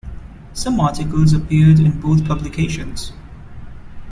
Some articles appeared in both publications.